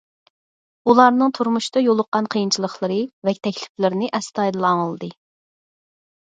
ئۇلارنىڭ تۇرمۇشتا يولۇققان قىيىنچىلىقلىرى ۋە تەكلىپلىرىنى ئەستايىدىل ئاڭلىدى.